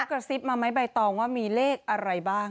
กระซิบมาไหมใบตองว่ามีเลขอะไรบ้าง